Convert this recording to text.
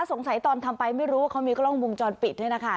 สงสัยตอนทำไปไม่รู้ว่าเขามีกล้องมุมจรปิดด้วยนะคะ